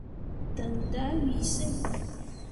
Me ɗaŋne dah wii sen.